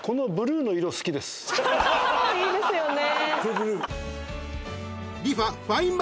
・いいですよね。